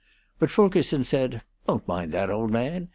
But Fulkerson said: "Don't mind that, old man.